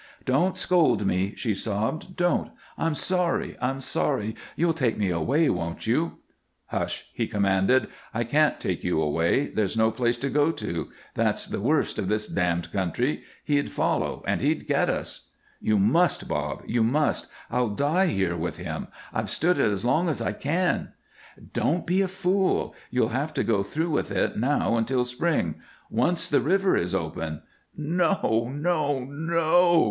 "Don't scold me," she sobbed. "Don't! I'm sorry, I'm sorry. You'll take me away, won't you?" "Hush!" he commanded. "I can't take you away; there's no place to go to. That's the worst of this damned country. He'd follow and he'd get us." "You must, Bob! You must! I'll die here with him. I've stood it as long as I can " "Don't be a fool. You'll have to go through with it now until spring. Once the river is open " "No, no, no!"